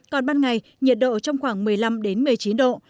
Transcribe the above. còn ban ngày nhiệt độ trong khoảng một mươi năm một mươi chín độ